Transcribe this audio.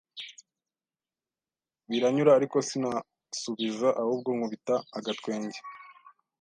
Biranyura ariko sinasubiza, ahubwo nkubita agatwenge